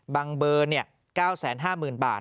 บางเบอร์๙๕๐๐๐๐บาท